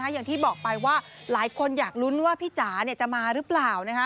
อย่างที่บอกไปว่าหลายคนอยากลุ้นว่าพี่จ๋าจะมาหรือเปล่า